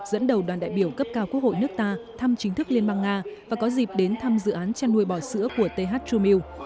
dẫn đầu đoàn đại biểu cấp cao quốc hội nước ta thăm chính thức liên bang nga và có dịp đến thăm dự án chăn nuôi bò sữa của th true meal